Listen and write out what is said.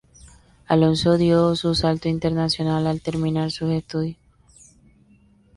Alonso dio su salto internacional al terminar sus estudios.